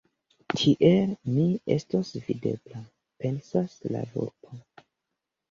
“Tiel, mi estos videbla!” pensas la vulpo.